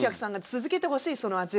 続けてほしいその味を。